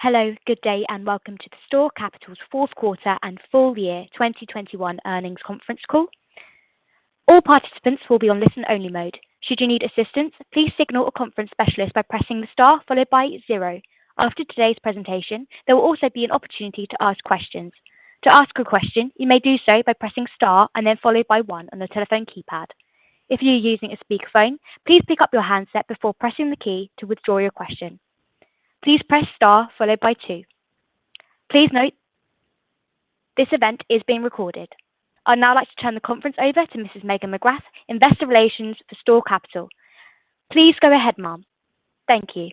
Hello, good day, and welcome to STORE Capital's fourth quarter and full year 2021 earnings conference call. All participants will be on listen only mode. Should you need assistance, please signal a conference specialist by pressing star followed by zero. After today's presentation, there will also be an opportunity to ask questions. To ask a question, you may do so by pressing star and then followed by one on the telephone keypad. If you're using a speakerphone, please pick up your handset before pressing the key to withdraw your question. Please press star followed by two. Please note this event is being recorded. I'd now like to turn the conference over to Mrs. Megan McGrath, Investor Relations for STORE Capital. Please go ahead, ma'am. Thank you.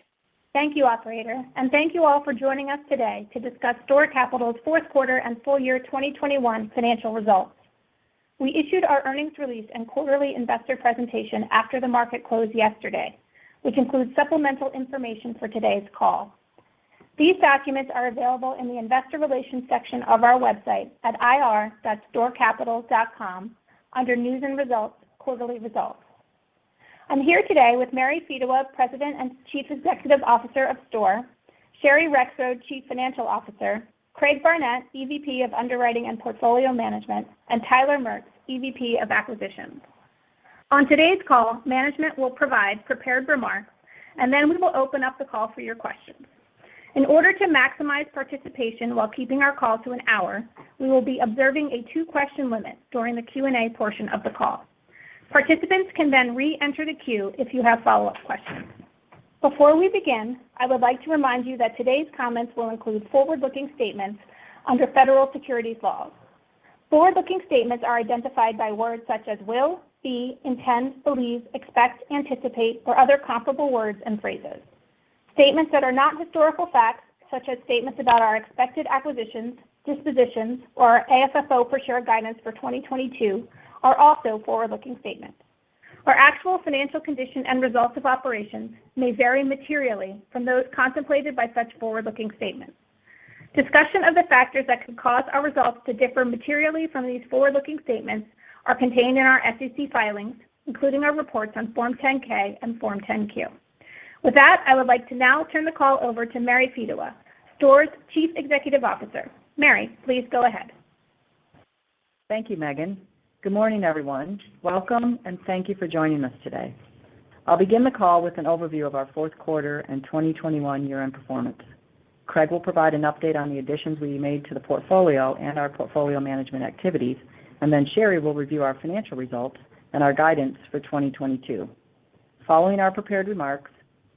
Thank you, operator, and thank you all for joining us today to discuss STORE Capital's fourth quarter and full year 2021 financial results. We issued our earnings release and quarterly investor presentation after the market closed yesterday, which includes supplemental information for today's call. These documents are available in the investor relations section of our website at ir.storecapital.com under news and results, quarterly results. I'm here today with Mary Fedewa, President and Chief Executive Officer of STORE, Sherry Rexroad, Chief Financial Officer, Craig Barnett, EVP of Underwriting and Portfolio Management, and Tyler Maertz, EVP of Acquisitions. On today's call, management will provide prepared remarks, and then we will open up the call for your questions. In order to maximize participation while keeping our call to an hour, we will be observing a two-question limit during the Q&A portion of the call. Participants can then re-enter the queue if you have follow-up questions. Before we begin, I would like to remind you that today's comments will include forward-looking statements under federal securities laws. Forward-looking statements are identified by words such as will, be, intend, believe, expect, anticipate, or other comparable words and phrases. Statements that are not historical facts, such as statements about our expected acquisitions, dispositions, or our AFFO per share guidance for 2022 are also forward-looking statements. Our actual financial condition and results of operations may vary materially from those contemplated by such forward-looking statements. Discussion of the factors that could cause our results to differ materially from these forward-looking statements are contained in our SEC filings, including our reports on Form 10-K and Form 10-Q. With that, I would like to now turn the call over to Mary Fedewa, STORE's Chief Executive Officer. Mary, please go ahead. Thank you, Megan. Good morning, everyone. Welcome, and thank you for joining us today. I'll begin the call with an overview of our fourth quarter and 2021 year-end performance. Craig will provide an update on the additions we made to the portfolio and our portfolio management activities, and then Sherry will review our financial results and our guidance for 2022. Following our prepared remarks,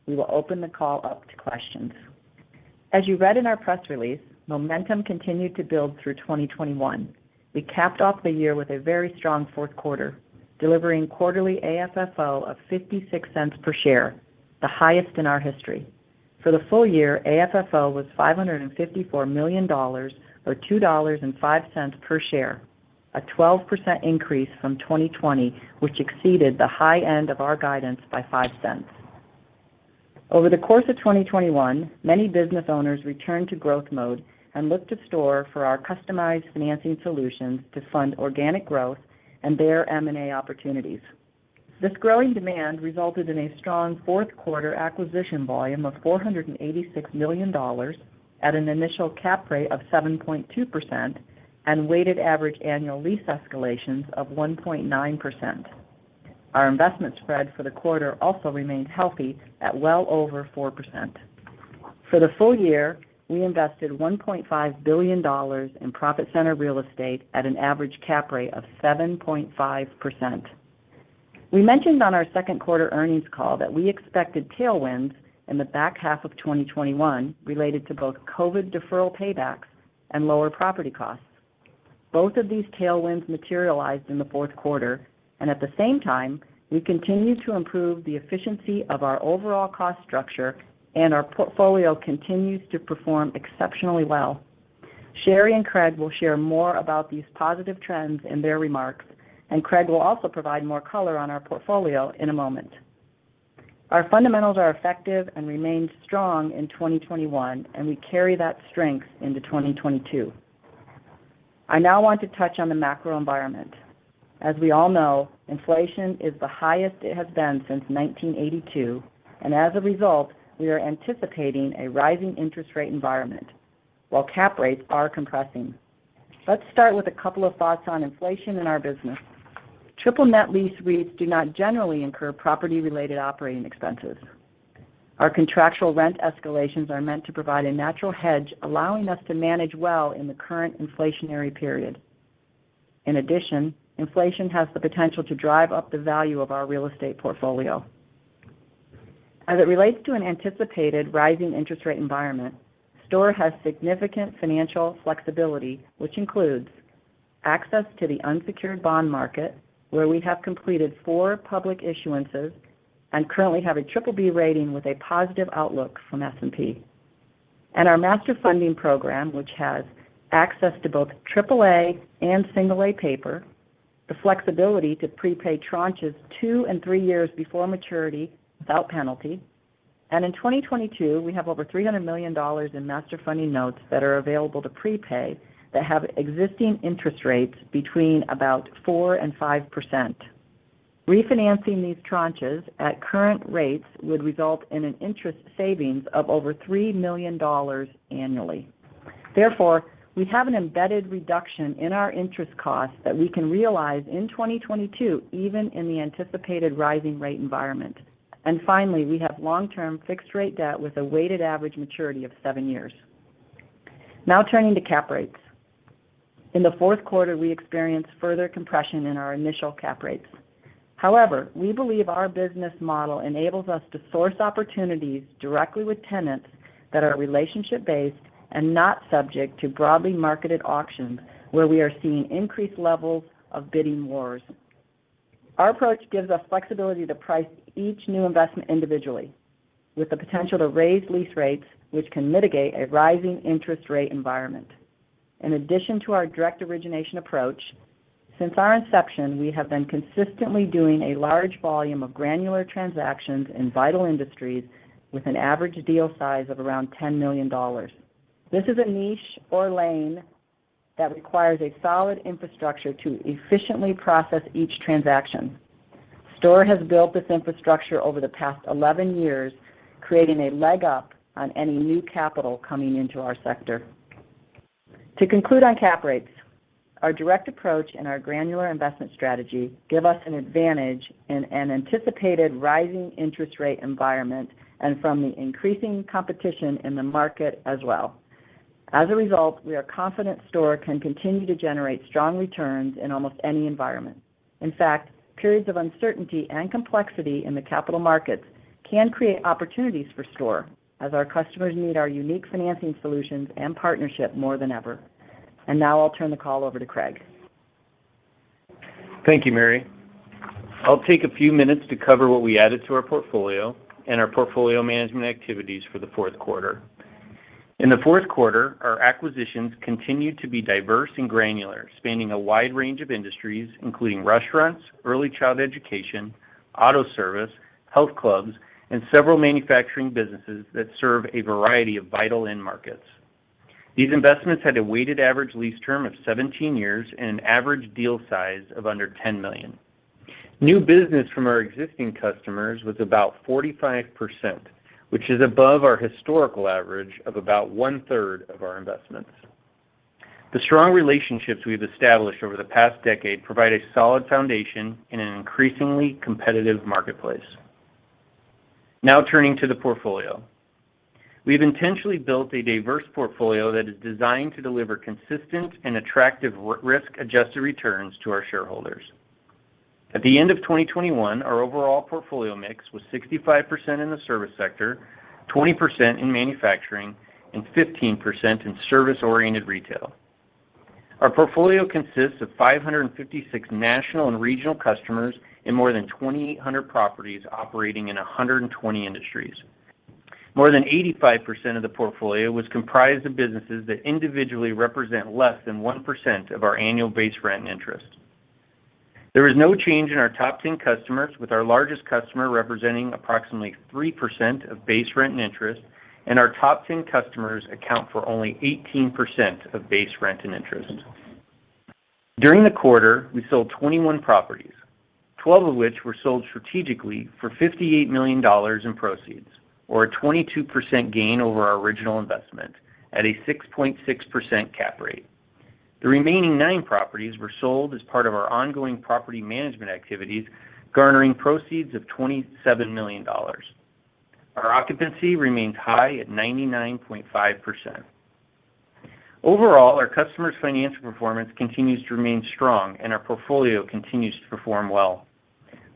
we will open the call up to questions. As you read in our press release, momentum continued to build through 2021. We capped off the year with a very strong fourth quarter, delivering quarterly AFFO of $0.56 per share, the highest in our history. For the full year, AFFO was $554 million or $2.05 per share, a 12% increase from 2020, which exceeded the high end of our guidance by $0.05. Over the course of 2021, many business owners returned to growth mode and looked to STORE for our customized financing solutions to fund organic growth and their M&A opportunities. This growing demand resulted in a strong fourth quarter acquisition volume of $486 million at an initial cap rate of 7.2% and weighted average annual lease escalations of 1.9%. Our investment spread for the quarter also remained healthy at well over 4%. For the full year, we invested $1.5 billion in profit center real estate at an average cap rate of 7.5%. We mentioned on our second quarter earnings call that we expected tailwinds in the back half of 2021 related to both COVID deferral paybacks and lower property costs. Both of these tailwinds materialized in the fourth quarter, and at the same time, we continue to improve the efficiency of our overall cost structure, and our portfolio continues to perform exceptionally well. Sherry and Craig will share more about these positive trends in their remarks, and Craig will also provide more color on our portfolio in a moment. Our fundamentals are effective and remained strong in 2021, and we carry that strength into 2022. I now want to touch on the macro environment. As we all know, inflation is the highest it has been since 1982, and as a result, we are anticipating a rising interest rate environment while cap rates are compressing. Let's start with a couple of thoughts on inflation in our business. Triple net lease rates do not generally incur property-related operating expenses. Our contractual rent escalations are meant to provide a natural hedge, allowing us to manage well in the current inflationary period. In addition, inflation has the potential to drive up the value of our real estate portfolio. As it relates to an anticipated rising interest rate environment, STORE has significant financial flexibility, which includes access to the unsecured bond market, where we have completed four public issuances and currently have a BBB rating with a positive outlook from S&P, and our Master Funding program, which has access to both AAA and A paper and the flexibility to prepay tranches two and three years before maturity without penalty. In 2022, we have over $300 million in master funding notes that are available to prepay that have existing interest rates between about 4%-5%. Refinancing these tranches at current rates would result in an interest savings of over $3 million annually. Therefore, we have an embedded reduction in our interest costs that we can realize in 2022 even in the anticipated rising rate environment. Finally, we have long-term fixed rate debt with a weighted average maturity of seven years. Now turning to cap rates. In the fourth quarter, we experienced further compression in our initial cap rates. However, we believe our business model enables us to source opportunities directly with tenants that are relationship-based and not subject to broadly marketed auctions where we are seeing increased levels of bidding wars. Our approach gives us flexibility to price each new investment individually with the potential to raise lease rates, which can mitigate a rising interest rate environment. In addition to our direct origination approach, since our inception, we have been consistently doing a large volume of granular transactions in vital industries with an average deal size of around $10 million. This is a niche or lane that requires a solid infrastructure to efficiently process each transaction. STORE has built this infrastructure over the past 11 years, creating a leg up on any new capital coming into our sector. To conclude on cap rates, our direct approach and our granular investment strategy give us an advantage in an anticipated rising interest rate environment and from the increasing competition in the market as well. As a result, we are confident STORE can continue to generate strong returns in almost any environment. In fact, periods of uncertainty and complexity in the capital markets can create opportunities for STORE as our customers need our unique financing solutions and partnership more than ever. Now I'll turn the call over to Craig. Thank you, Mary. I'll take a few minutes to cover what we added to our portfolio and our portfolio management activities for the fourth quarter. In the fourth quarter, our acquisitions continued to be diverse and granular, spanning a wide range of industries, including restaurants, early child education, auto service, health clubs, and several manufacturing businesses that serve a variety of vital end markets. These investments had a weighted average lease term of 17 years and an average deal size of under $10 million. New business from our existing customers was about 45%, which is above our historical average of about one-third of our investments. The strong relationships we've established over the past decade provide a solid foundation in an increasingly competitive marketplace. Now turning to the portfolio. We've intentionally built a diverse portfolio that is designed to deliver consistent and attractive risk-adjusted returns to our shareholders. At the end of 2021, our overall portfolio mix was 65% in the service sector, 20% in manufacturing, and 15% in service-oriented retail. Our portfolio consists of 556 national and regional customers in more than 2,800 properties operating in 120 industries. More than 85% of the portfolio was comprised of businesses that individually represent less than 1% of our annual base rent interest. There was no change in our top 10 customers, with our largest customer representing approximately 3% of base rent and interest, and our top 10 customers account for only 18% of base rent and interest. During the quarter, we sold 21 properties, 12 of which were sold strategically for $58 million in proceeds, or a 22% gain over our original investment at a 6.6% cap rate. The remaining nine properties were sold as part of our ongoing property management activities, garnering proceeds of $27 million. Our occupancy remains high at 99.5%. Overall, our customers' financial performance continues to remain strong, and our portfolio continues to perform well.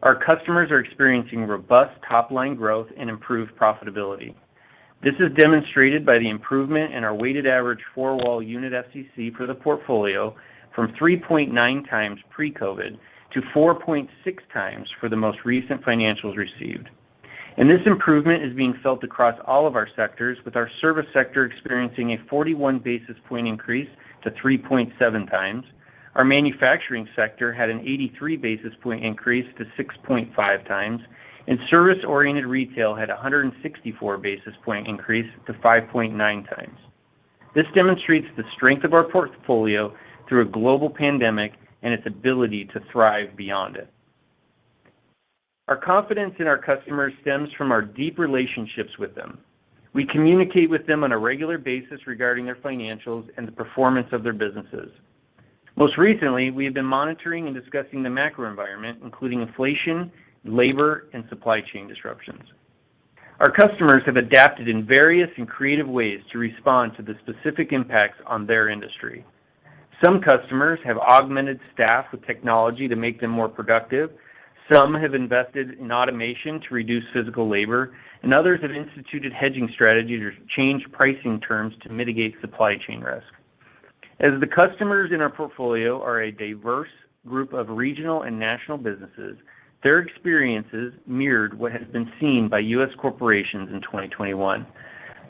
Our customers are experiencing robust top-line growth and improved profitability. This is demonstrated by the improvement in our weighted average four-wall unit FCC for the portfolio from 3.9x pre-COVID to 4.6x for the most recent financials received. This improvement is being felt across all of our sectors, with our service sector experiencing a 41 basis point increase to 3.7x. Our manufacturing sector had an 83 basis point increase to 6.5x, and service-oriented retail had a 164 basis point increase to 5.9x. This demonstrates the strength of our portfolio through a global pandemic and its ability to thrive beyond it. Our confidence in our customers stems from our deep relationships with them. We communicate with them on a regular basis regarding their financials and the performance of their businesses. Most recently, we have been monitoring and discussing the macro environment, including inflation, labor, and supply chain disruptions. Our customers have adapted in various and creative ways to respond to the specific impacts on their industry. Some customers have augmented staff with technology to make them more productive. Some have invested in automation to reduce physical labor, and others have instituted hedging strategies or changed pricing terms to mitigate supply chain risk. As the customers in our portfolio are a diverse group of regional and national businesses, their experiences mirrored what has been seen by U.S. corporations in 2021.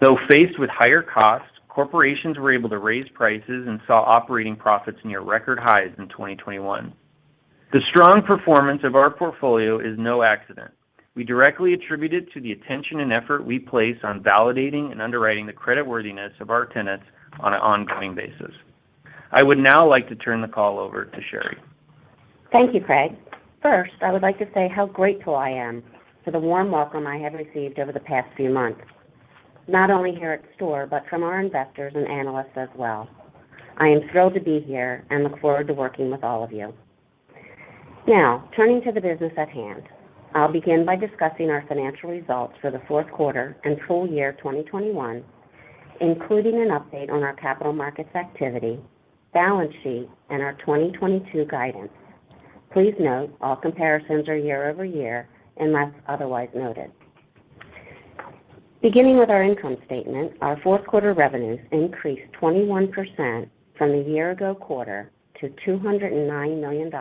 Though faced with higher costs, corporations were able to raise prices and saw operating profits near record highs in 2021. The strong performance of our portfolio is no accident. We directly attribute it to the attention and effort we place on validating and underwriting the creditworthiness of our tenants on an ongoing basis. I would now like to turn the call over to Sherry. Thank you, Craig. First, I would like to say how grateful I am for the warm welcome I have received over the past few months, not only here at STORE, but from our investors and analysts as well. I am thrilled to be here and look forward to working with all of you. Now, turning to the business at hand. I'll begin by discussing our financial results for the fourth quarter and full year 2021, including an update on our capital markets activity, balance sheet, and our 2022 guidance. Please note, all comparisons are year-over-year unless otherwise noted. Beginning with our income statement, our fourth quarter revenues increased 21% from the year ago quarter to $209 million,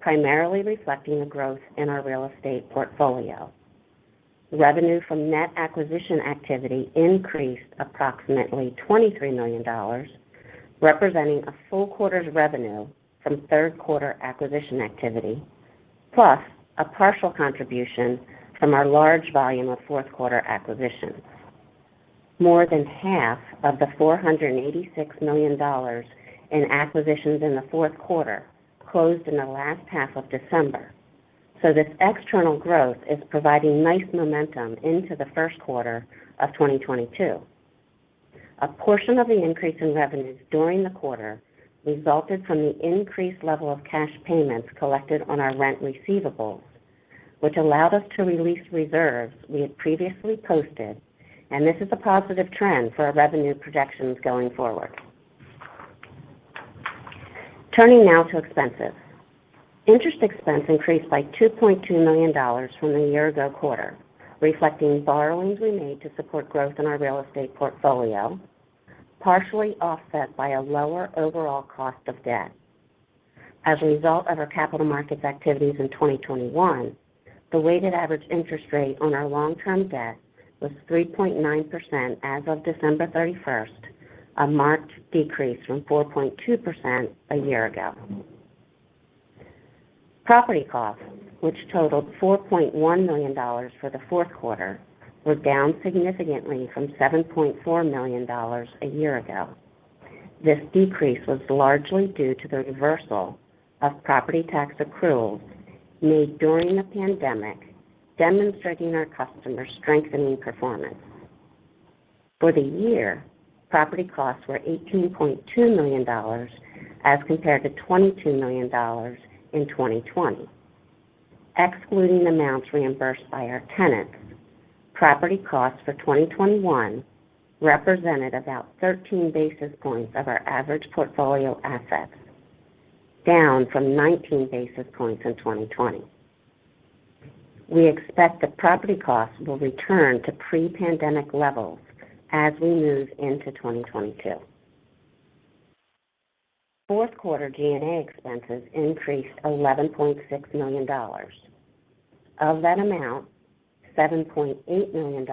primarily reflecting the growth in our real estate portfolio. Revenue from net acquisition activity increased approximately $23 million, representing a full quarter's revenue from third quarter acquisition activity, plus a partial contribution from our large volume of fourth quarter acquisitions. More than half of the $486 million in acquisitions in the fourth quarter closed in the last half of December. This external growth is providing nice momentum into the first quarter of 2022. A portion of the increase in revenues during the quarter resulted from the increased level of cash payments collected on our rent receivables, which allowed us to release reserves we had previously posted, and this is a positive trend for our revenue projections going forward. Turning now to expenses. Interest expense increased by $2.2 million from the year ago quarter, reflecting borrowings we made to support growth in our real estate portfolio, partially offset by a lower overall cost of debt. As a result of our capital markets activities in 2021, the weighted average interest rate on our long-term debt was 3.9% as of December 31, a marked decrease from 4.2% a year ago. Property costs, which totaled $4.1 million for the fourth quarter, were down significantly from $7.4 million a year ago. This decrease was largely due to the reversal of property tax accruals made during the pandemic, demonstrating our customers' strengthening performance. For the year, property costs were $18.2 million as compared to $22 million in 2020. Excluding amounts reimbursed by our tenants, property costs for 2021 represented about 13 basis points of our average portfolio assets, down from 19 basis points in 2020. We expect that property costs will return to pre-pandemic levels as we move into 2022. Fourth quarter G&A expenses increased $11.6 million. Of that amount, $7.8 million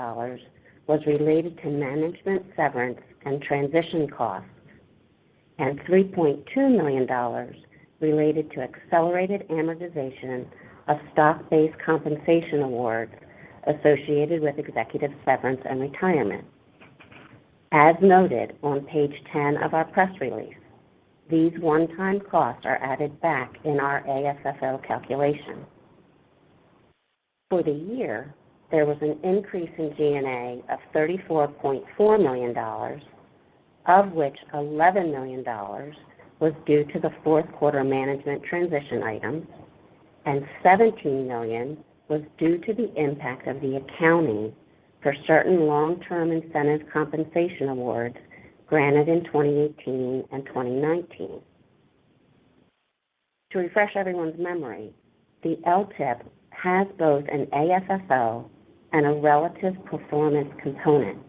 was related to management severance and transition costs, and $3.2 million related to accelerated amortization of stock-based compensation awards associated with executive severance and retirement. As noted on page 10 of our press release, these one-time costs are added back in our AFFO calculation. For the year, there was an increase in G&A of $34.4 million, of which $11 million was due to the fourth quarter management transition item, and $17 million was due to the impact of the accounting for certain long-term incentive compensation awards granted in 2018 and 2019. To refresh everyone's memory, the LTIP has both an AFFO and a relative performance component.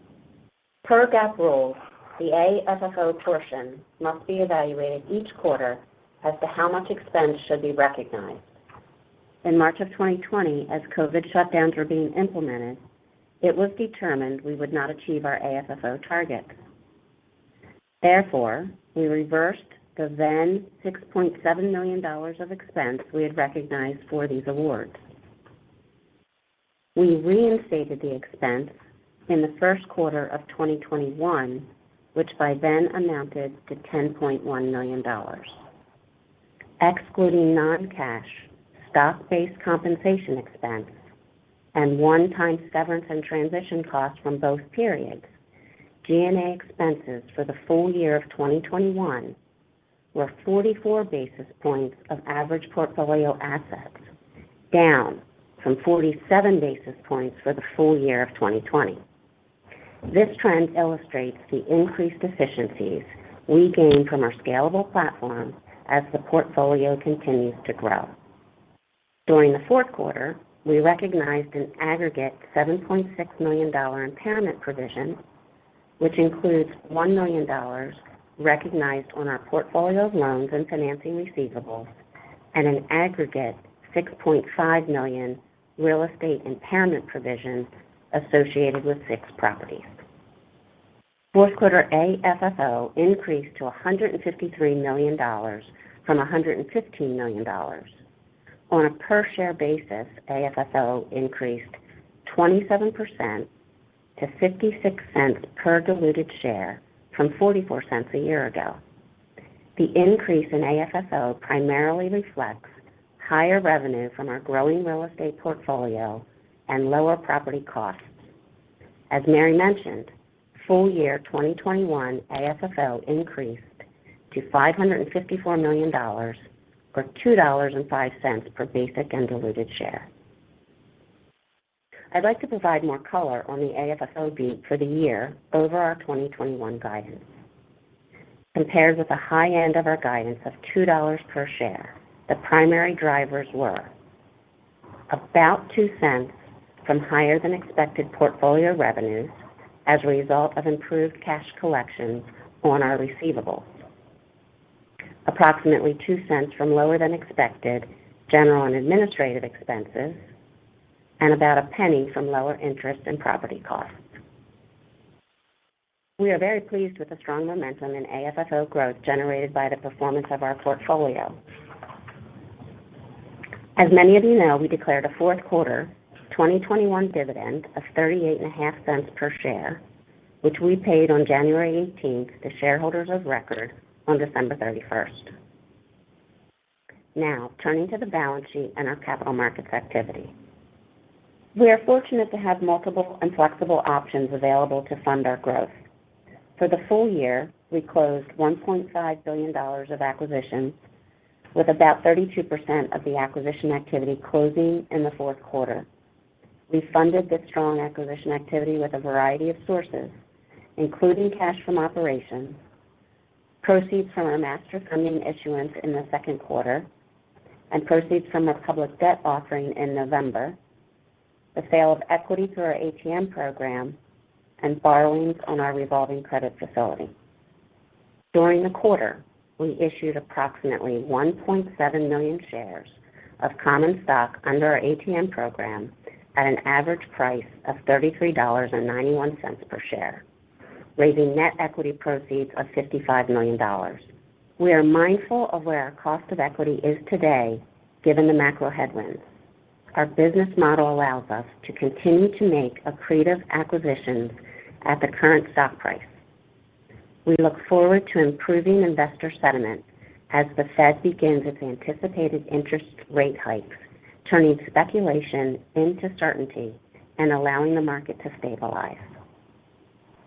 Per GAAP rules, the AFFO portion must be evaluated each quarter as to how much expense should be recognized. In March of 2020, as COVID shutdowns were being implemented, it was determined we would not achieve our AFFO targets. Therefore, we reversed the then $6.7 million of expense we had recognized for these awards. We reinstated the expense in the first quarter of 2021, which by then amounted to $10.1 million. Excluding non-cash stock-based compensation expense and one-time severance and transition costs from both periods, G&A expenses for the full year of 2021 were 44 basis points of average portfolio assets, down from 47 basis points for the full year of 2020. This trend illustrates the increased efficiencies we gain from our scalable platform as the portfolio continues to grow. During the fourth quarter, we recognized an aggregate $7.6 million impairment provision, which includes $1 million recognized on our portfolio of loans and financing receivables and an aggregate $6.5 million real estate impairment provision associated with six properties. Fourth quarter AFFO increased to $153 million from $115 million. On a per share basis, AFFO increased 27% to $0.56 per diluted share from $0.44 a year ago. The increase in AFFO primarily reflects higher revenue from our growing real estate portfolio and lower property costs. As Mary mentioned, full year 2021 AFFO increased to $554 million, or $2.05 per basic and diluted share. I'd like to provide more color on the AFFO beat for the year over our 2021 guidance. Compared with the high end of our guidance of $2 per share, the primary drivers were about $0.02 from higher than expected portfolio revenues as a result of improved cash collections on our receivables, approximately $0.02 from lower than expected general and administrative expenses, and about $0.01 from lower interest and property costs. We are very pleased with the strong momentum in AFFO growth generated by the performance of our portfolio. As many of you know, we declared a fourth quarter 2021 dividend of $0.385 per share, which we paid on January 18 to shareholders of record on December 31. Now turning to the balance sheet and our capital markets activity. We are fortunate to have multiple and flexible options available to fund our growth. For the full year, we closed $1.5 billion of acquisitions with about 32% of the acquisition activity closing in the fourth quarter. We funded this strong acquisition activity with a variety of sources, including cash from operations, proceeds from our Master Funding issuance in the second quarter, and proceeds from a public debt offering in November, the sale of equity through our ATM program, and borrowings on our revolving credit facility. During the quarter, we issued approximately 1.7 million shares of common stock under our ATM program at an average price of $33.91 per share, raising net equity proceeds of $55 million. We are mindful of where our cost of equity is today, given the macro headwinds. Our business model allows us to continue to make accretive acquisitions at the current stock price. We look forward to improving investor sentiment as the Fed begins its anticipated interest rate hikes, turning speculation into certainty and allowing the market to stabilize.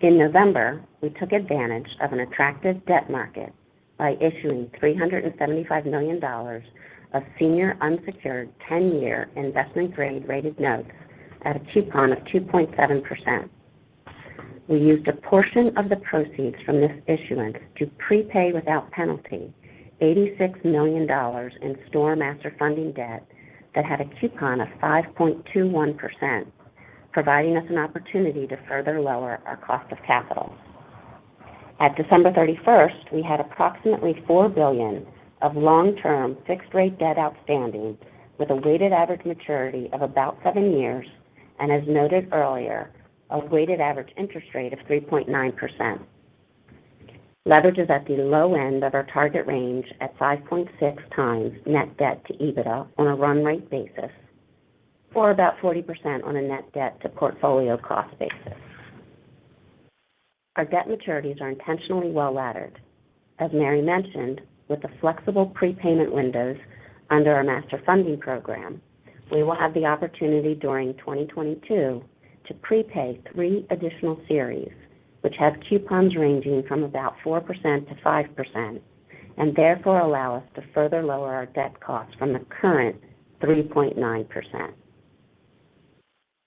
In November, we took advantage of an attractive debt market by issuing $375 million of senior unsecured ten-year investment grade rated notes at a coupon of 2.7%. We used a portion of the proceeds from this issuance to prepay without penalty $86 million in STORE Master Funding debt that had a coupon of 5.21%, providing us an opportunity to further lower our cost of capital. At December 31, we had approximately $4 billion of long-term fixed rate debt outstanding with a weighted average maturity of about seven years and as noted earlier, a weighted average interest rate of 3.9%. Leverage is at the low end of our target range at 5.6x net debt to EBITDA on a run rate basis, or about 40% on a net debt to portfolio cost basis. Our debt maturities are intentionally well-laddered. As Mary mentioned, with the flexible prepayment windows under our master funding program, we will have the opportunity during 2022 to prepay three additional series, which have coupons ranging from about 4%-5%, and therefore allow us to further lower our debt cost from the current 3.9%.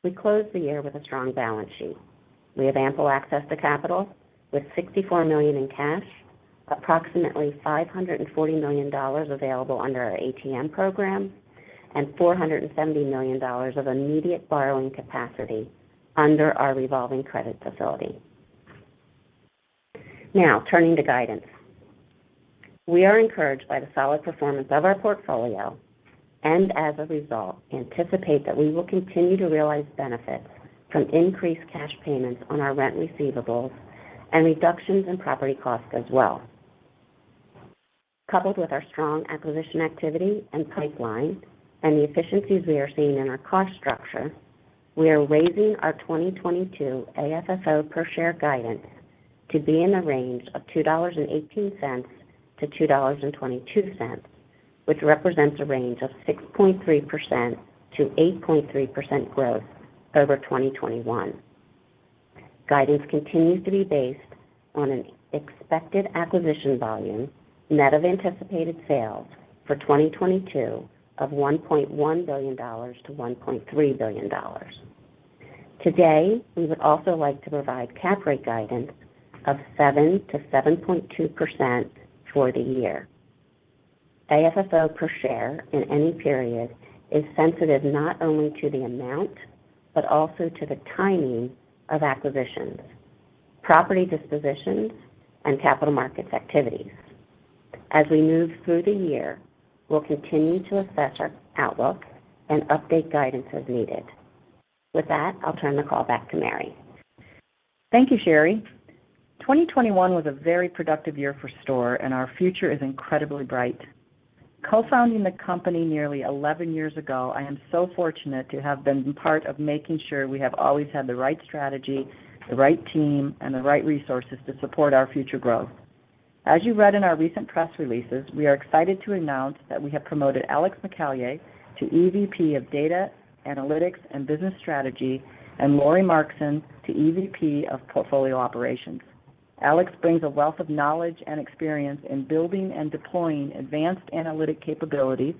We closed the year with a strong balance sheet. We have ample access to capital with $64 million in cash, approximately $540 million available under our ATM program, and $470 million of immediate borrowing capacity under our revolving credit facility. Now turning to guidance. We are encouraged by the solid performance of our portfolio and as a result, anticipate that we will continue to realize benefits from increased cash payments on our rent receivables and reductions in property costs as well. Coupled with our strong acquisition activity and pipeline and the efficiencies we are seeing in our cost structure, we are raising our 2022 AFFO per share guidance to be in the range of $2.18-$2.22, which represents a range of 6.3%-8.3% growth over 2021. Guidance continues to be based on an expected acquisition volume net of anticipated sales for 2022 of $1.1 billion-$1.3 billion. Today, we would also like to provide cap rate guidance of 7%-7.2% for the year. AFFO per share in any period is sensitive not only to the amount, but also to the timing of acquisitions, property dispositions, and capital markets activities. As we move through the year, we'll continue to assess our outlook and update guidance as needed. With that, I'll turn the call back to Mary. Thank you, Sherry. 2021 was a very productive year for STORE, and our future is incredibly bright. Co-founding the company nearly 11 years ago, I am so fortunate to have been part of making sure we have always had the right strategy, the right team, and the right resources to support our future growth. As you read in our recent press releases, we are excited to announce that we have promoted Alex McElyea to EVP of Data Analytics and Business Strategy, and Lori Markson to EVP of Portfolio Operations. Alex brings a wealth of knowledge and experience in building and deploying advanced analytic capabilities,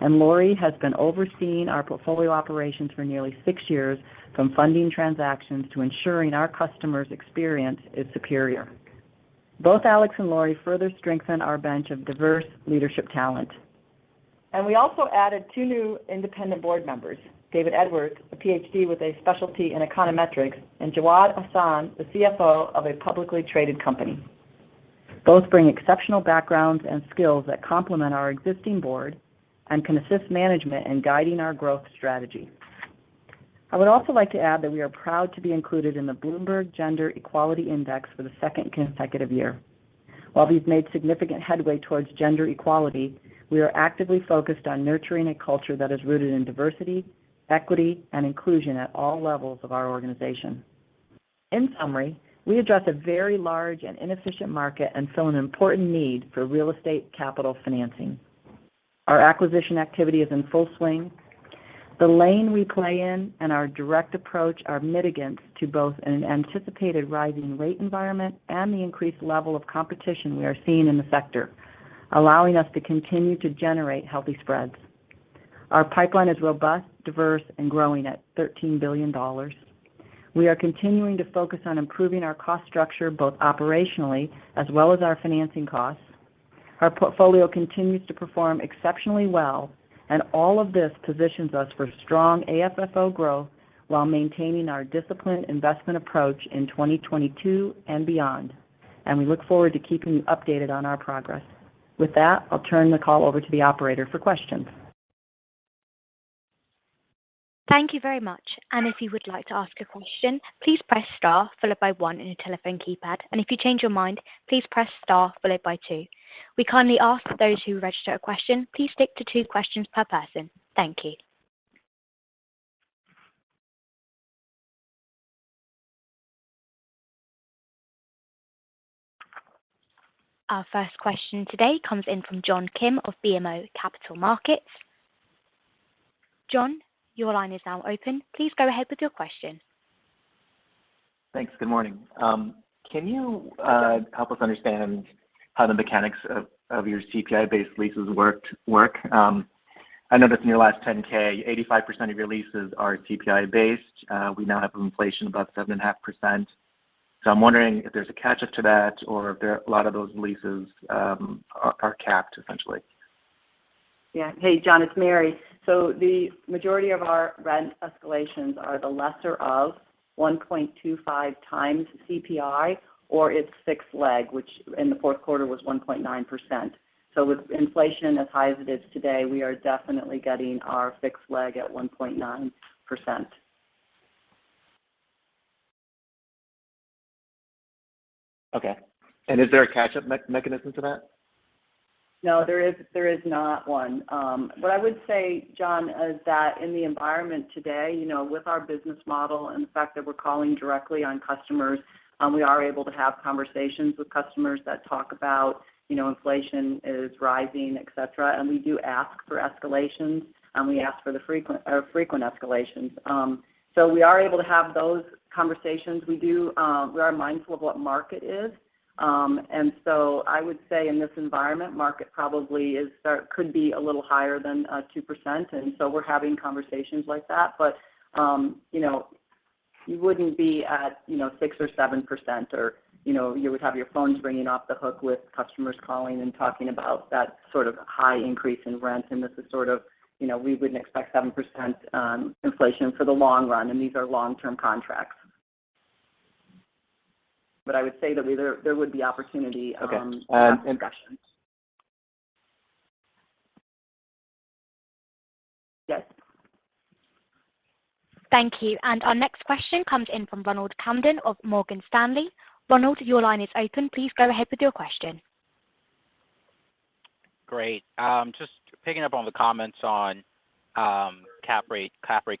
and Lori has been overseeing our portfolio operations for nearly six years, from funding transactions to ensuring our customers' experience is superior. Both Alex and Lori further strengthen our bench of diverse leadership talent. We also added two new independent board members, David Edwards, a PhD with a specialty in econometrics, and Jawad Ahsan, the CFO of a publicly traded company. Both bring exceptional backgrounds and skills that complement our existing board and can assist management in guiding our growth strategy. I would also like to add that we are proud to be included in the Bloomberg Gender-Equality Index for the second consecutive year. While we've made significant headway towards gender equality, we are actively focused on nurturing a culture that is rooted in diversity, equity, and inclusion at all levels of our organization. In summary, we address a very large and inefficient market and fill an important need for real estate capital financing. Our acquisition activity is in full swing. The lane we play in and our direct approach are mitigants to both an anticipated rising rate environment and the increased level of competition we are seeing in the sector, allowing us to continue to generate healthy spreads. Our pipeline is robust, diverse, and growing at $13 billion. We are continuing to focus on improving our cost structure both operationally as well as our financing costs. Our portfolio continues to perform exceptionally well, and all of this positions us for strong AFFO growth while maintaining our disciplined investment approach in 2022 and beyond. We look forward to keeping you updated on our progress. With that, I'll turn the call over to the operator for questions. Thank you very much. If you would like to ask a question, please press star followed by one in your telephone keypad. If you change your mind, please press star followed by two. We kindly ask those who register a question, please stick to two questions per person. Thank you. Our first question today comes in from John Kim of BMO Capital Markets. John, your line is now open. Please go ahead with your question. Thanks. Good morning. Can you help us understand how the mechanics of your CPI-based leases work? I noticed in your last 10-K, 85% of your leases are CPI based. We now have inflation above 7.5%. I'm wondering if there's a catch up to that or if a lot of those leases are capped essentially. Yeah. Hey, John, it's Mary. The majority of our rent escalations are the lesser of 1.25x CPI or its fixed leg, which in the fourth quarter was 1.9%. With inflation as high as it is today, we are definitely getting our fixed leg at 1.9%. Okay. Is there a catch-up mechanism to that? No, there is not one. What I would say, John, is that in the environment today, you know, with our business model and the fact that we're calling directly on customers, we are able to have conversations with customers that talk about, you know, inflation is rising, etc. We do ask for escalations, and we ask for frequent escalations. We are able to have those conversations. We do, we are mindful of what market is. I would say in this environment, market probably could be a little higher than 2%. We're having conversations like that. you know, you wouldn't be at, you know, 6% or 7% or, you know, you would have your phones ringing off the hook with customers calling and talking about that sort of high increase in rent. This is sort of, you know, we wouldn't expect 7% inflation for the long run, and these are long-term contracts. I would say that there would be opportunity. Okay. to have discussions. Yes. Thank you. Our next question comes in from Ronald Kamdem of Morgan Stanley. Ronald, your line is open. Please go ahead with your question. Great. Just picking up on the comments on cap rate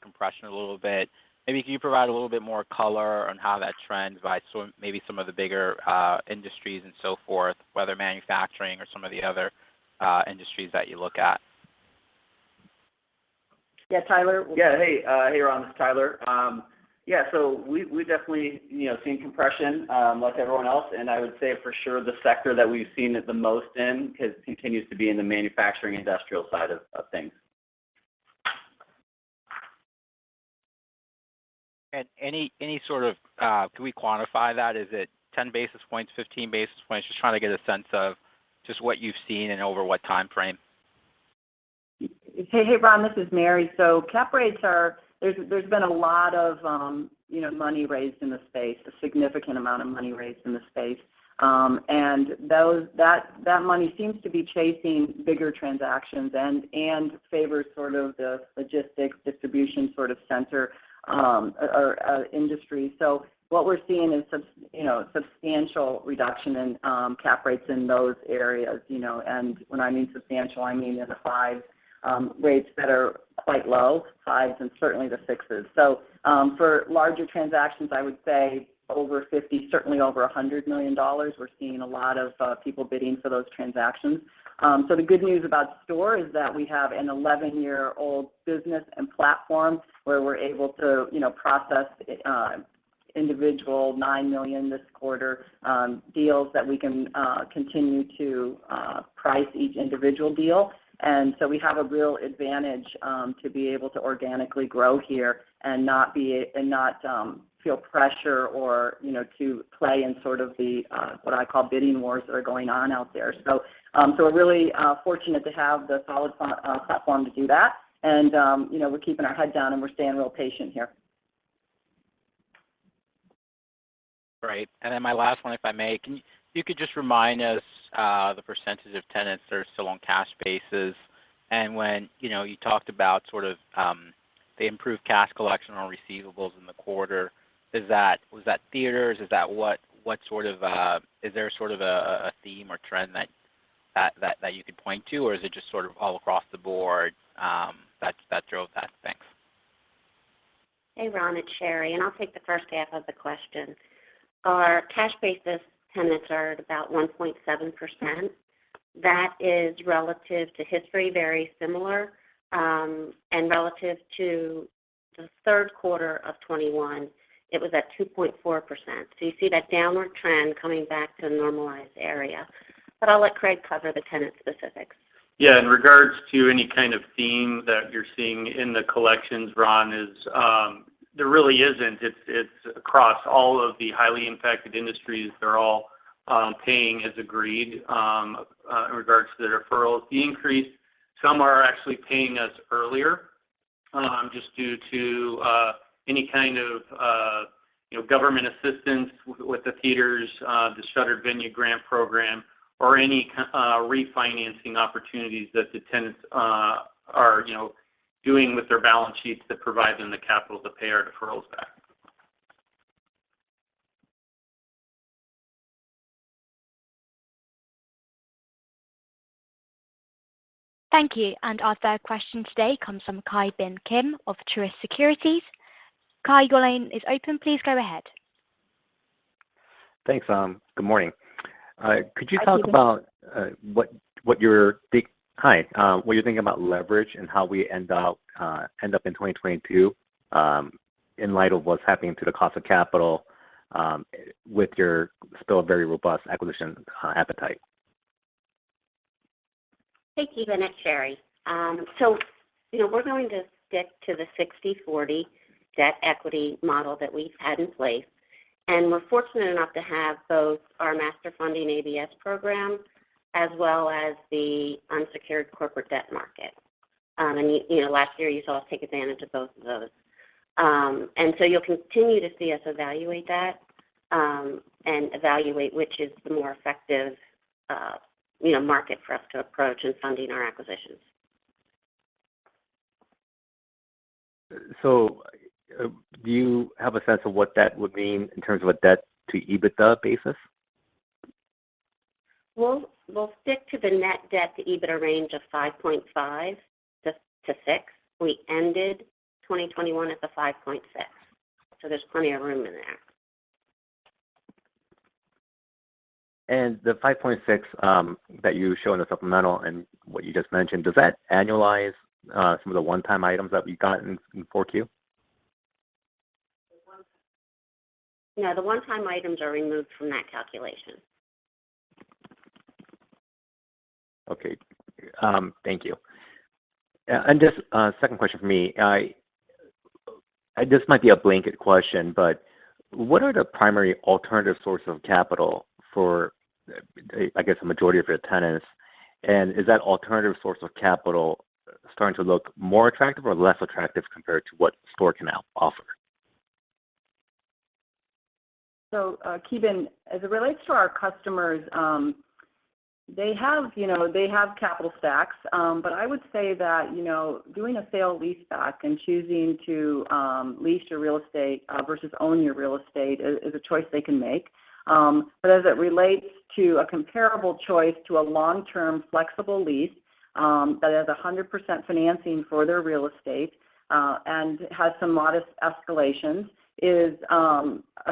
compression a little bit. Maybe you can provide a little bit more color on how that trend, maybe some of the bigger industries and so forth, whether manufacturing or some of the other industries that you look at. Yeah. Tyler. Yeah. Hey, Ron, this is Tyler. Yeah. We definitely, you know, seeing compression, like everyone else. I would say for sure the sector that we've seen it the most in continues to be in the manufacturing industrial side of things. Can we quantify that? Is it 10 basis points, 15 basis points? Just trying to get a sense of just what you've seen and over what time frame. Hey, Ron, this is Mary. Cap rates are. There's been a lot of, you know, money raised in the space, a significant amount of money raised in the space. That money seems to be chasing bigger transactions and favors sort of the logistics distribution sort of center, or industry. What we're seeing is substantial reduction in cap rates in those areas, you know. When I mean substantial, I mean in the 5s, rates that are quite low, 5s and certainly the 6s. For larger transactions, I would say over $50, certainly over $100 million, we're seeing a lot of people bidding for those transactions. The good news about STORE is that we have an 11-year-old business and platform where we're able to, you know, process individual $9 million this quarter deals that we can continue to price each individual deal. We have a real advantage to be able to organically grow here and not feel pressure or, you know, to play in sort of the what I call bidding wars that are going on out there. We're really fortunate to have the solid platform to do that. You know, we're keeping our head down, and we're staying real patient here. Right. My last one, if I may. Can you, if you could just remind us the percentage of tenants that are still on cash basis. When, you know, you talked about sort of the improved cash collection on receivables in the quarter, was that theaters? Is that what sort of. Is there sort of a theme or trend that you could point to, or is it just sort of all across the board that drove that? Thanks. Hey, Ron, it's Sherry. I'll take the first half of the question. Our cash basis tenants are at about 1.7%. That is relative to history, very similar. Relative to the third quarter of 2021, it was at 2.4%. You see that downward trend coming back to a normalized area. I'll let Craig cover the tenant specifics. Yeah. In regards to any kind of theme that you're seeing in the collections, Ron, there really isn't. It's across all of the highly impacted industries. They're all paying as agreed in regards to the deferrals. The increase, some are actually paying us earlier just due to any kind of you know government assistance with the theaters, the Shuttered Venue Grant program, or any refinancing opportunities that the tenants are you know doing with their balance sheets that provide them the capital to pay our deferrals back. Thank you. Our third question today comes from Ki Bin Kim of Truist Securities. Ki, your line is open. Please go ahead. Thanks. Good morning. Hi, Ki Bin. Could you talk about what you're thinking about leverage and how we end up in 2022, in light of what's happening to the cost of capital, with your still very robust acquisition appetite? Hey, Ki Bin. It's Sherry. You know, we're going to stick to the 60/40 debt equity model that we've had in place, and we're fortunate enough to have both our STORE Master Funding ABS program as well as the unsecured corporate debt market. You know, last year you saw us take advantage of both of those. You'll continue to see us evaluate that, and evaluate which is the more effective, you know, market for us to approach in funding our acquisitions. Do you have a sense of what that would mean in terms of a debt-to-EBITDA basis? We'll stick to the net debt-to-EBITDA range of 5.5x-6x. We ended 2021 at the 5.6x, so there's plenty of room in there. The 5.6x that you show in the supplemental and what you just mentioned, does that annualize some of the one-time items that we've gotten in 4Q? The one-time items are removed from that calculation. Okay. Thank you. Just a second question from me. I this might be a blanket question, but what are the primary alternative source of capital for, I guess, a majority of your tenants? And is that alternative source of capital starting to look more attractive or less attractive compared to what STORE can now offer? Ki Bin, as it relates to our customers, they have, you know, they have capital stacks. I would say that, you know, doing a sale-leaseback and choosing to lease your real estate versus own your real estate is a choice they can make. As it relates to a comparable choice to a long-term flexible lease that has 100% financing for their real estate and has some modest escalations is a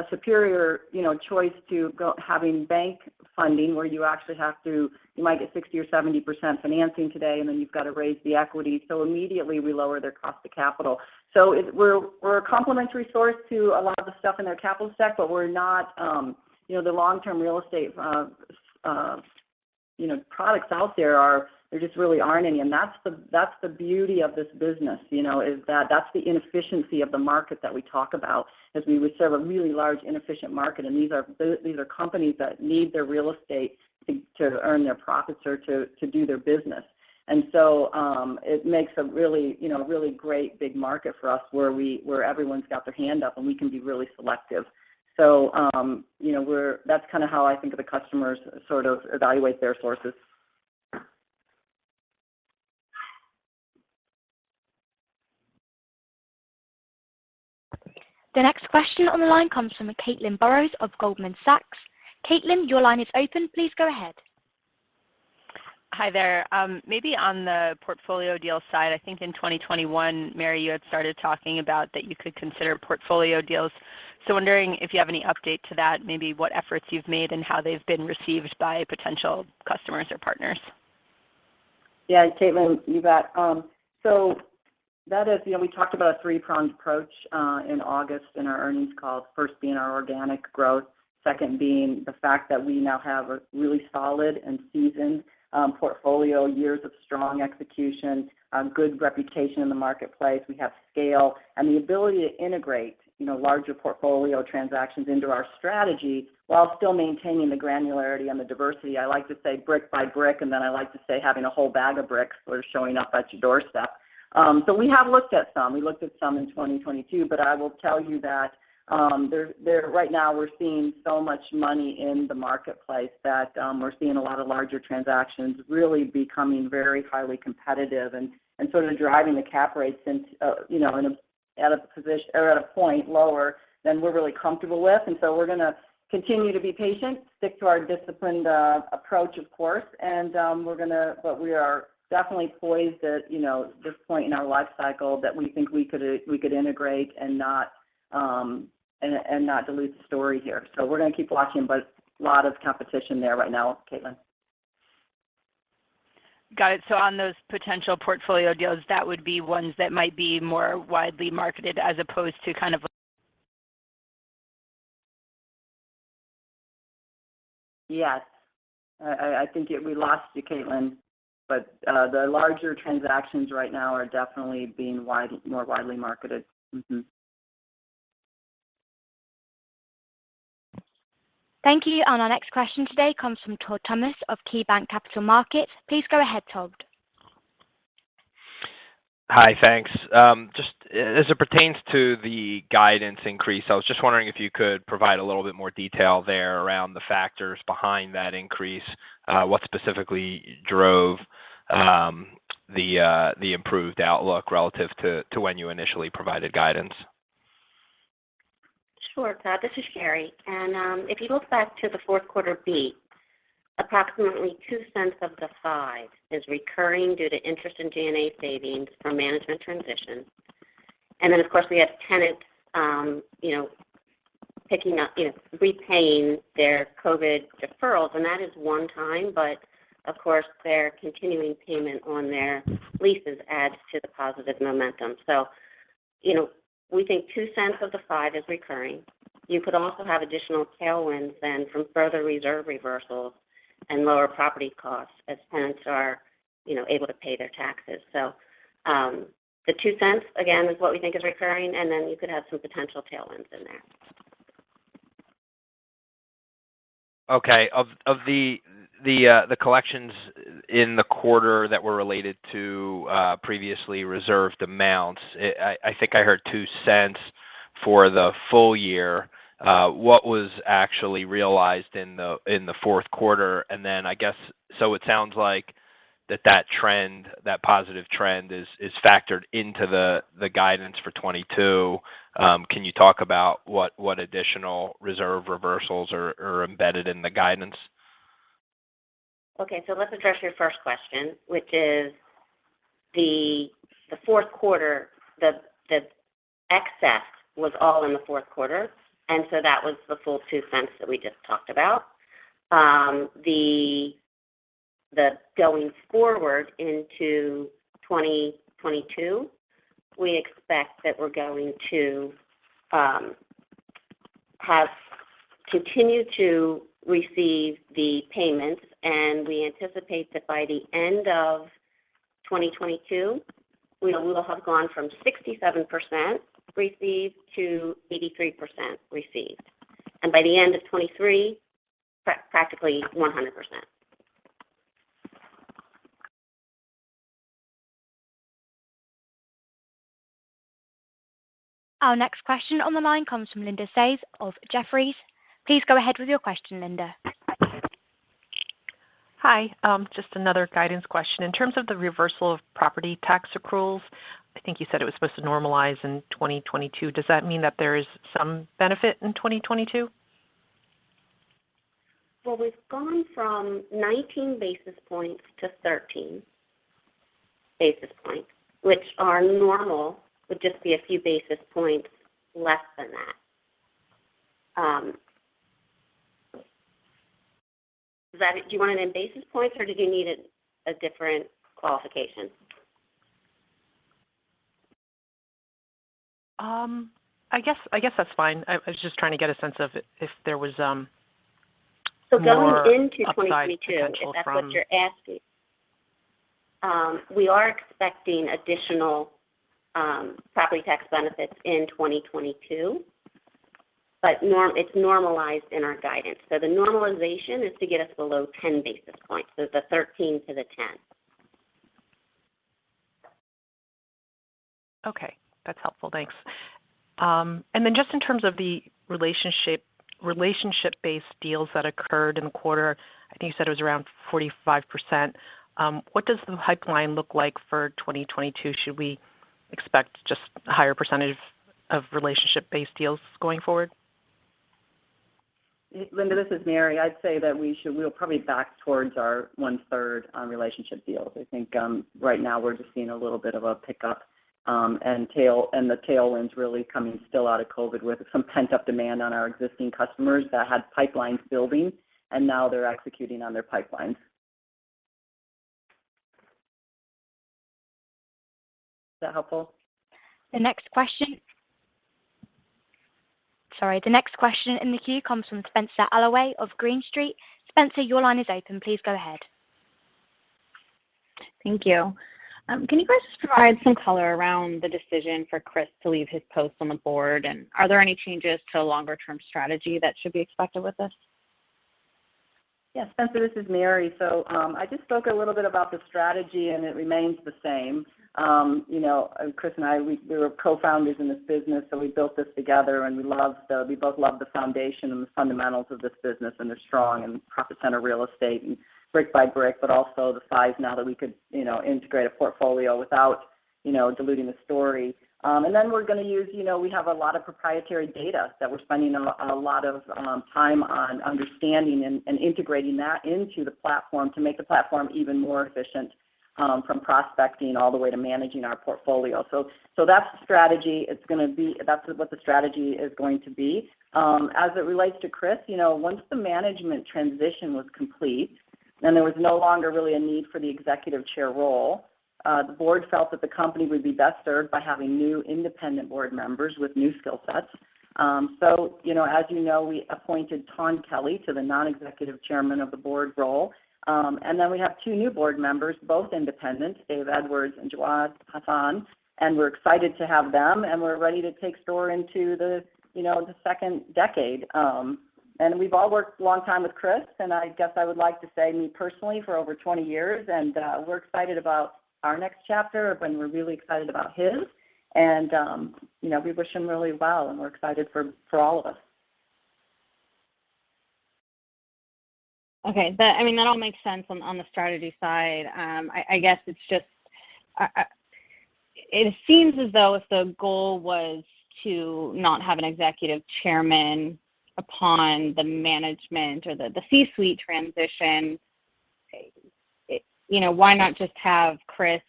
superior, you know, choice to having bank funding where you actually you might get 60% or 70% financing today, and then you've got to raise the equity. Immediately we lower their cost of capital. We're a complementary source to a lot of the stuff in their capital stack, but we're not, you know, the long-term real estate products out there are, there just really aren't any. That's the beauty of this business, you know, is that that's the inefficiency of the market that we talk about as we would serve a really large inefficient market. These are companies that need their real estate to earn their profits or to do their business. You know, that's kind of how I think of the customers sort of evaluate their sources. The next question on the line comes from Caitlin Burrows of Goldman Sachs. Caitlin, your line is open. Please go ahead. Hi there. Maybe on the portfolio deal side, I think in 2021, Mary, you had started talking about that you could consider portfolio deals. Wondering if you have any update to that, maybe what efforts you've made and how they've been received by potential customers or partners. Yeah, Caitlin, you bet. You know, we talked about a three-pronged approach in August in our earnings call, first being our organic growth, second being the fact that we now have a really solid and seasoned portfolio, years of strong execution, good reputation in the marketplace. We have scale and the ability to integrate, you know, larger portfolio transactions into our strategy while still maintaining the granularity and the diversity. I like to say brick by brick, and then I like to say having a whole bag of bricks where it's showing up at your doorstep. So we have looked at some. We looked at some in 2022, but I will tell you that right now we're seeing so much money in the marketplace that we're seeing a lot of larger transactions really becoming very highly competitive and sort of driving the cap rate to a point lower than we're really comfortable with. We're gonna continue to be patient, stick to our disciplined approach of course. We are definitely poised, you know, at this point in our life cycle that we think we could integrate and not dilute the story here. We're gonna keep watching, but a lot of competition there right now, Caitlin. Got it. On those potential portfolio deals, that would be ones that might be more widely marketed as opposed to kind of. Yes. I think we lost you, Caitlin. The larger transactions right now are definitely being more widely marketed. Thank you. Our next question today comes from Todd Thomas of KeyBanc Capital Markets. Please go ahead, Todd. Hi. Thanks. Just as it pertains to the guidance increase, I was just wondering if you could provide a little bit more detail there around the factors behind that increase. What specifically drove the improved outlook relative to when you initially provided guidance? Sure. This is Sherry. If you look back to the fourth quarter beat, approximately $0.02 of the $0.05 is recurring due to interest and G&A savings from management transition. Of course, we have tenants, you know, picking up, you know, repaying their COVID deferrals, and that is one time. Of course, their continuing payment on their leases adds to the positive momentum. You know, we think $0.02 of the $0.05 is recurring. You could also have additional tailwinds then from further reserve reversals and lower property costs as tenants are, you know, able to pay their taxes. The $0.02, again, is what we think is recurring, and then you could have some potential tailwinds in there. Of the collections in the quarter that were related to previously reserved amounts, I think I heard $0.02 for the full year. What was actually realized in the fourth quarter? I guess it sounds like that positive trend is factored into the guidance for 2022. Can you talk about what additional reserve reversals are embedded in the guidance? Okay, let's address your first question, which is the fourth quarter. The excess was all in the fourth quarter, and so that was the full $0.02 that we just talked about. Going forward into 2022, we expect that we're going to have continued to receive the payments, and we anticipate that by the end of 2022, we will have gone from 67% received to 83% received. By the end of 2023, practically 100%. Our next question on the line comes from Linda Tsai of Jefferies. Please go ahead with your question, Linda. Hi. Just another guidance question. In terms of the reversal of property tax accruals, I think you said it was supposed to normalize in 2022. Does that mean that there is some benefit in 2022? Well, we've gone from 19 basis points to 13 basis points, which our normal would just be a few basis points less than that. Do you want it in basis points, or did you need a different qualification? I guess that's fine. I was just trying to get a sense of if there was more upside potential from. Going into 2022, if that's what you're asking, we are expecting additional property tax benefits in 2022. It's normalized in our guidance. The normalization is to get us below 10 basis points. The 13 to the 10. Okay. That's helpful. Thanks. Just in terms of the relationship-based deals that occurred in the quarter, I think you said it was around 45%, what does the pipeline look like for 2022? Should we expect just a higher percentage of relationship-based deals going forward? Linda, this is Mary. I'd say that we'll probably back towards our one-third relationship deals. I think right now we're just seeing a little bit of a pickup, and the tailwind's really coming still out of COVID with some pent-up demand on our existing customers that had pipelines building, and now they're executing on their pipelines. Is that helpful? The next question. Sorry, the next question in the queue comes from Spenser Allaway of Green Street. Spenser, your line is open. Please go ahead. Thank you. Can you guys just provide some color around the decision for Chris to leave his post on the board, and are there any changes to long-term strategy that should be expected with this? Yeah, Spenser, this is Mary. I just spoke a little bit about the strategy, and it remains the same. You know, and Chris and I were co-founders in this business, so we built this together, and we both love the foundation and the fundamentals of this business, and they're strong and profit center real estate and brick by brick, but also the size now that we could, you know, integrate a portfolio without, you know, diluting the story. We're gonna use, you know, we have a lot of proprietary data that we're spending a lot of time on understanding and integrating that into the platform to make the platform even more efficient, from prospecting all the way to managing our portfolio. That's the strategy. That's what the strategy is going to be. As it relates to Chris, you know, once the management transition was complete, then there was no longer really a need for the Executive Chair role. The board felt that the company would be best served by having new independent board members with new skill sets. You know, as you know, we appointed Tawn Kelley to the Non-Executive Chairman of the Board role. We have two new board members, both independent, Dave Edwards and Jawad Ahsan. We're excited to have them, and we're ready to take STORE into the, you know, the second decade. We've all worked long time with Chris, and I guess I would like to say me personally for over 20 years. We're excited about our next chapter, and we're really excited about his. You know, we wish him really well, and we're excited for all of us. Okay. That, I mean, that all makes sense on the strategy side. I guess it's just. It seems as though if the goal was to not have an executive chairman upon the management or the C-suite transition, you know, why not just have Chris,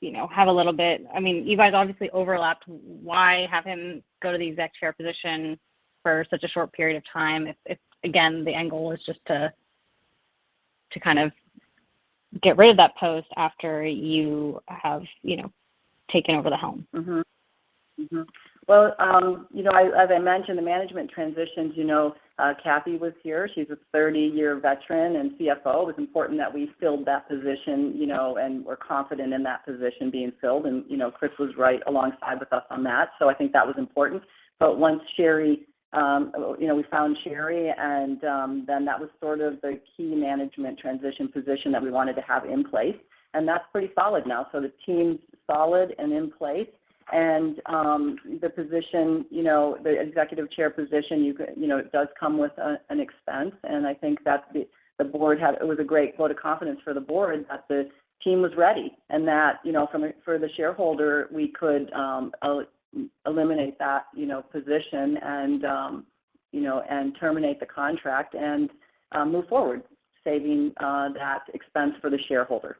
you know, have a little bit. I mean, you guys obviously overlapped. Why have him go to the exec chair position for such a short period of time if again, the end goal is just to kind of get rid of that post after you have, you know, taken over the helm? Well, you know, as I mentioned, the management transitions, you know, Kathy was here. She's a 30-year veteran and CFO. It was important that we filled that position, you know, and we're confident in that position being filled. You know, Chris was right alongside with us on that. I think that was important. Once Sherry, you know, we found Sherry and, then that was sort of the key management transition position that we wanted to have in place, and that's pretty solid now. The team's solid and in place. The position, you know, the executive chair position, you know, it does come with an expense. I think that the board had. It was a great vote of confidence for the board that the team was ready. That, you know, from for the shareholder, we could eliminate that, you know, position and, you know, and terminate the contract and move forward, saving that expense for the shareholder.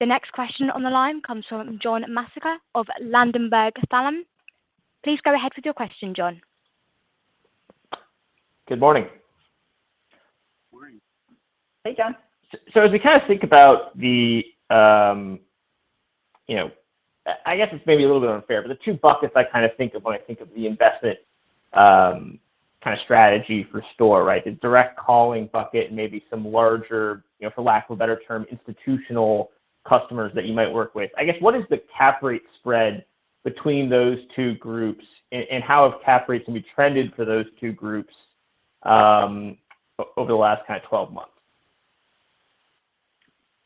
The next question on the line comes from John Massocca of Ladenburg Thalmann. Please go ahead with your question, John. Good morning. Morning. Hey, John. As we kind of think about the, you know I guess it's maybe a little bit unfair, but the two buckets I kind of think of when I think of the investment kind of strategy for STORE, right? The direct calling bucket and maybe some larger, you know, for lack of a better term, institutional customers that you might work with. I guess, what is the cap rate spread between those two groups? And how have cap rates maybe trended for those two groups, over the last kind of 12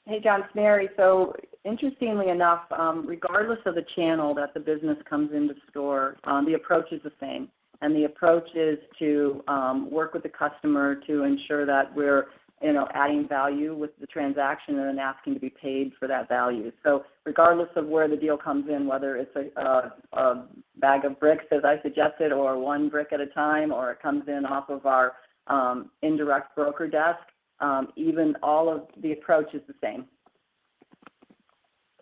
months? Hey, John. It's Mary. Interestingly enough, regardless of the channel that the business comes into STORE, the approach is the same. The approach is to work with the customer to ensure that we're, you know, adding value with the transaction and then asking to be paid for that value. Regardless of where the deal comes in, whether it's a bag of bricks, as I suggested, or one brick at a time, or it comes in off of our indirect broker desk, even all of the approach is the same.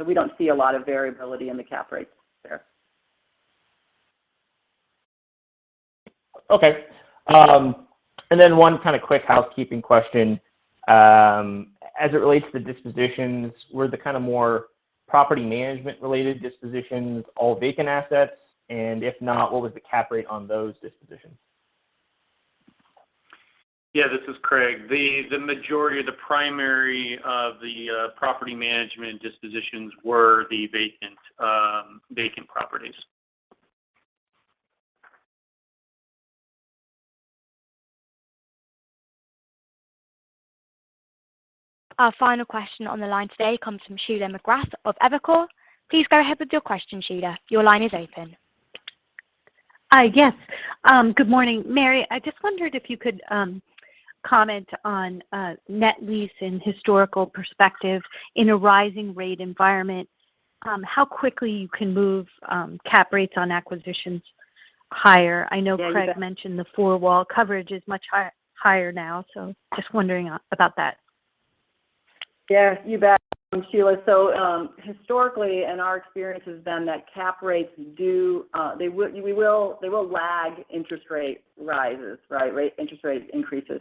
We don't see a lot of variability in the cap rates there. Okay. One kind of quick housekeeping question. As it relates to the dispositions, were the kind of more property management related dispositions all vacant assets? And if not, what was the cap rate on those dispositions? Yeah, this is Craig. The majority of the primary of the property management dispositions were the vacant properties. Our final question on the line today comes from Sheila McGrath of Evercore. Please go ahead with your question, Sheila. Your line is open. Hi, yes. Good morning. Mary, I just wondered if you could comment on net lease in historical perspective in a rising rate environment, how quickly you can move cap rates on acquisitions higher. Yeah, you bet. I know Craig mentioned the four-wall coverage is much higher now, so just wondering about that. Yeah, you bet, Sheila. Historically, our experience has been that cap rates do, they will lag interest rate rises, right? Interest rate increases.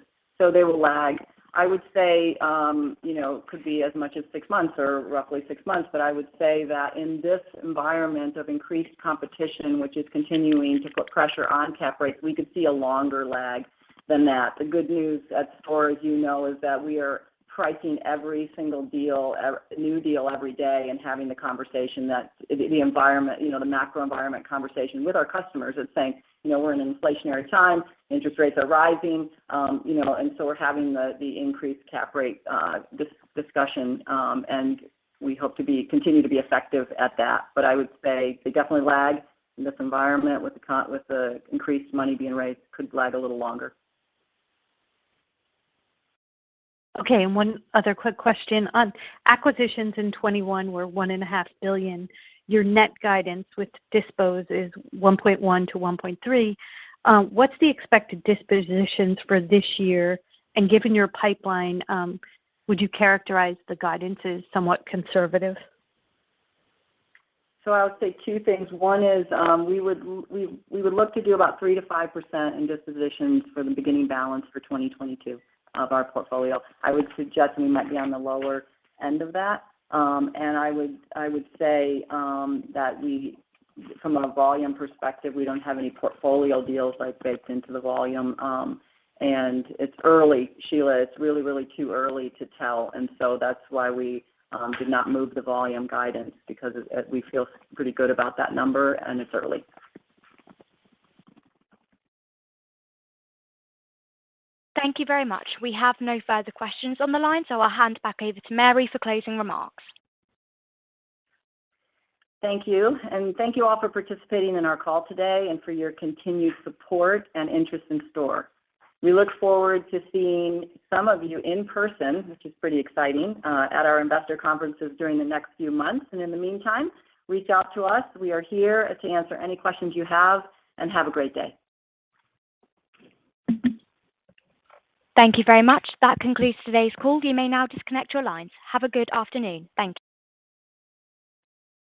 They will lag. I would say, you know, could be as much as six months or roughly six months. I would say that in this environment of increased competition, which is continuing to put pressure on cap rates, we could see a longer lag than that. The good news at STORE, as you know, is that we are pricing every single deal, new deal every day and having the conversation, the environment, you know, the macro environment conversation with our customers and saying, "You know, we're in an inflationary time, interest rates are rising," you know. We're having the increased cap rate discussion. We hope to continue to be effective at that. I would say they definitely lag in this environment with the increased money being raised could lag a little longer. Okay, one other quick question. On acquisitions in 2021 were $1.5 billion. Your net guidance with dispo is $1.1 billion-$1.3 billion. What's the expected dispositions for this year? Given your pipeline, would you characterize the guidance as somewhat conservative? I would say two things. One is, we would look to do about 3%-5% in dispositions for the beginning balance for 2022 of our portfolio. I would suggest we might be on the lower end of that. I would say that we from a volume perspective, we don't have any portfolio deals like baked into the volume. It's early, Sheila. It's really too early to tell. That's why we did not move the volume guidance because we feel pretty good about that number, and it's early. Thank you very much. We have no further questions on the line, so I'll hand back over to Mary for closing remarks. Thank you. Thank you all for participating in our call today and for your continued support and interest in STORE. We look forward to seeing some of you in person, which is pretty exciting, at our investor conferences during the next few months. In the meantime, reach out to us. We are here to answer any questions you have, and have a great day. Thank you very much. That concludes today's call. You may now disconnect your lines. Have a good afternoon. Thank you.